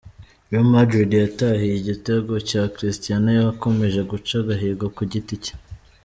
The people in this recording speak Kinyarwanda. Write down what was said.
Real Madrid yatahiye igitego cya Cristiano wakomeje guca agahigo ku giti cye.